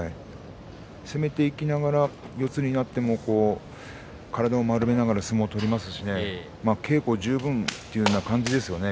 攻めていきながら四つになっても体を丸めながら相撲を取りますし稽古十分という感じですね